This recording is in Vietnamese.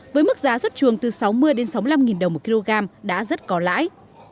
với mức giá xuất chuồng từ sáu mươi đến sáu mươi năm đồng một kg đã rất có lãi